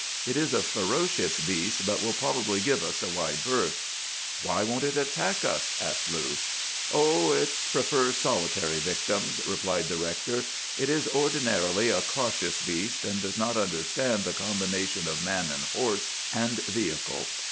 It is a ferocious beast, but will probably give us a wide berth.' "'Why won't it attack us?" asked Lou. "'Oh, it prefers solitary victims,' replied the rector. 'It is ordinarily a cautious beast, and does not understand the combination of man and horse and vehicle.